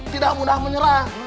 tidak mudah menyerah